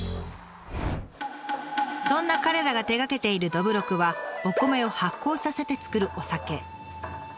そんな彼らが手がけているどぶろくはお米を発酵させて造るお酒。